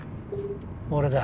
俺だ。